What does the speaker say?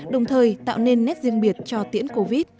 đồng thời tạo nên nét riêng biệt cho tiễn covid